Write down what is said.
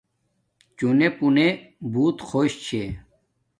چونے پُونے بوت خوش چھے